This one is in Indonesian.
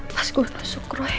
pas gue masuk kruing